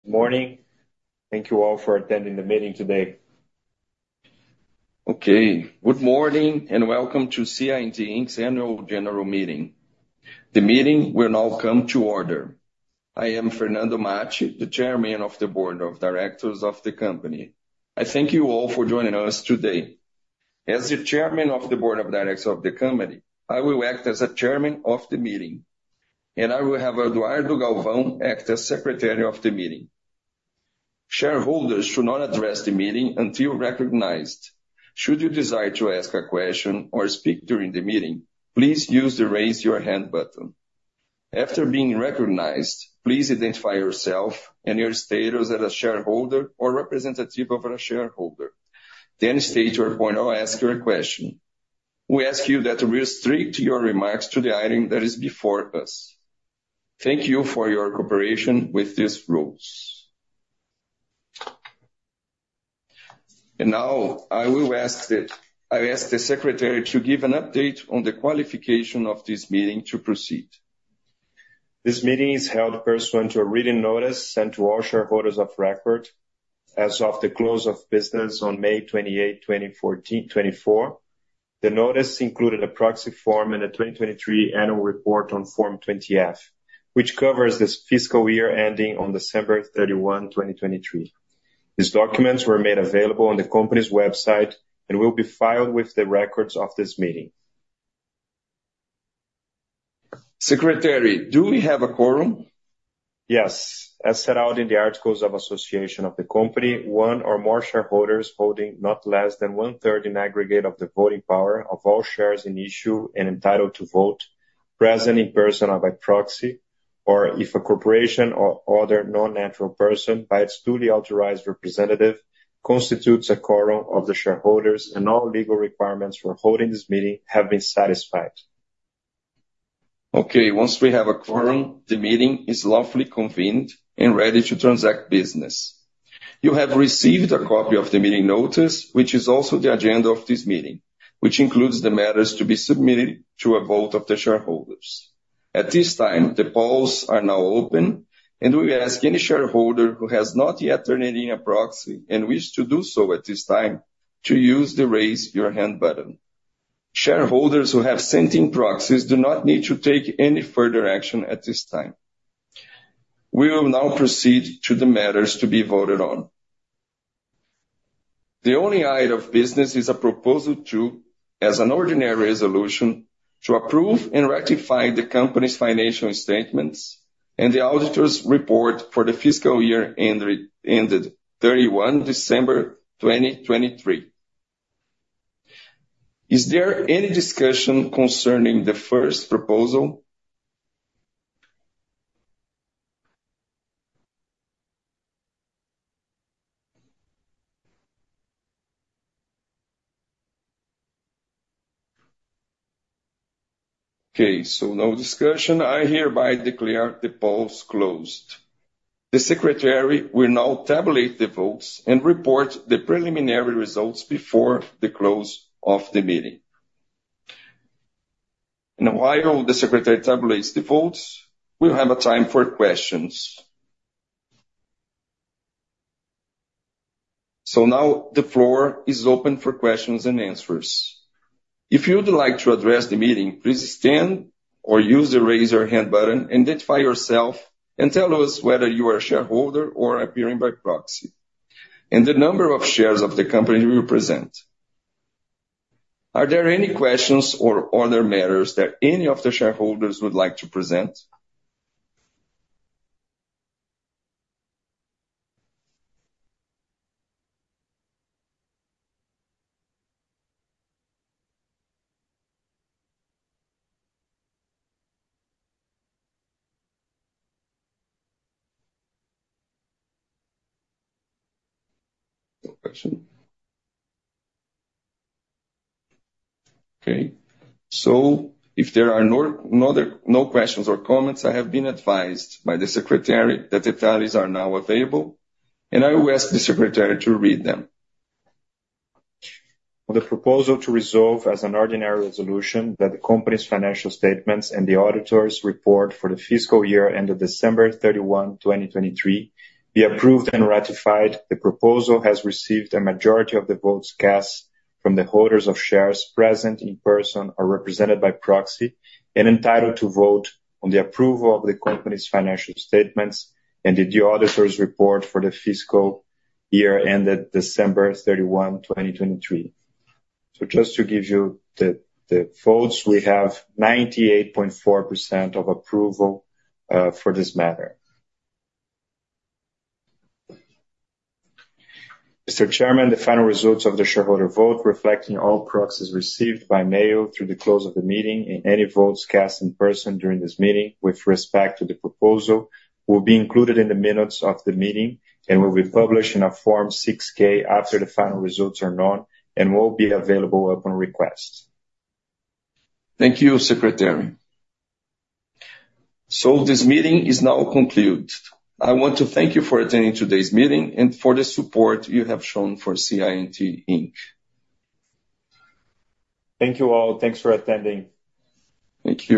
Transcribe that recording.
Good morning. Thank you all for attending the meeting today. Okay, good morning, and welcome to CI&T Inc's annual general meeting. The meeting will now come to order. I am Fernando Martins, the chairman of the board of directors of the company. I thank you all for joining us today. As the chairman of the board of directors of the company, I will act as the chairman of the meeting, and I will have Eduardo Galvão act as secretary of the meeting. Shareholders should not address the meeting until recognized. Should you desire to ask a question or speak during the meeting, please use the Raise Your Hand button. After being recognized, please identify yourself and your status as a shareholder or representative of a shareholder, then state your point or ask your question. We ask you that restrict your remarks to the item that is before us. Thank you for your cooperation with these rules. And now, I ask the secretary to give an update on the qualification of this meeting to proceed. This meeting is held pursuant to a written notice sent to all shareholders of record as of the close of business on May 28, 2024. The notice included a proxy form and a 2023 annual report on Form 20-F, which covers this fiscal year ending on December 31, 2023. These documents were made available on the company's website and will be filed with the records of this meeting. Secretary, do we have a quorum? Yes. As set out in the articles of association of the company, one or more shareholders holding not less than one-third in aggregate of the voting power of all shares in issue and entitled to vote, present in person or by proxy, or if a corporation or other non-natural person, by its duly authorized representative, constitutes a quorum of the shareholders, and all legal requirements for holding this meeting have been satisfied. Okay, once we have a quorum, the meeting is lawfully convened and ready to transact business. You have received a copy of the meeting notice, which is also the agenda of this meeting, which includes the matters to be submitted to a vote of the shareholders. At this time, the polls are now open, and we ask any shareholder who has not yet turned in a proxy and wish to do so at this time, to use the Raise Your Hand button. Shareholders who have sent in proxies do not need to take any further action at this time. We will now proceed to the matters to be voted on. The only item of business is a proposal, as an ordinary resolution, to approve and ratify the company's financial statements and the auditor's report for the fiscal year ended December 31, 2023. Is there any discussion concerning the first proposal? Okay, so no discussion. I hereby declare the polls closed. The secretary will now tabulate the votes and report the preliminary results before the close of the meeting. And while the secretary tabulates the votes, we'll have a time for questions. So now the floor is open for questions and answers. If you would like to address the meeting, please stand or use the Raise Your Hand button, identify yourself, and tell us whether you are a shareholder or appearing by proxy, and the number of shares of the company you represent. Are there any questions or other matters that any of the shareholders would like to present? No question. Okay. So if there are no other questions or comments, I have been advised by the secretary that the tallies are now available, and I will ask the secretary to read them. On the proposal to resolve as an ordinary resolution that the company's financial statements and the auditor's report for the fiscal year ended December 31, 2023, be approved and ratified. The proposal has received a majority of the votes cast from the holders of shares present in person or represented by proxy, and entitled to vote on the approval of the company's financial statements and the auditor's report for the fiscal year ended December 31, 2023. So just to give you the votes, we have 98.4% of approval for this matter. Mr. Chairman, the final results of the shareholder vote, reflecting all proxies received by mail through the close of the meeting and any votes cast in person during this meeting with respect to the proposal, will be included in the minutes of the meeting and will be published in a Form 6-K after the final results are known and will be available upon request. Thank you, secretary. This meeting is now concluded. I want to thank you for attending today's meeting and for the support you have shown for CI&T Inc. Thank you all. Thanks for attending. Thank you.